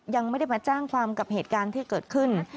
ยังไม่ได้มาแจ้งความกับเหตุการณ์ที่เกิดขึ้น